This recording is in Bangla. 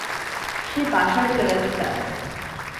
সে বাসায় চলে গেছে, স্যার।